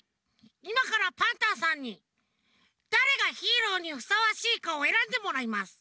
いまからパンタンさんにだれがヒーローにふさわしいかをえらんでもらいます。